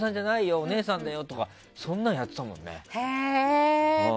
お姉さんだよってそんなのやってたもんね。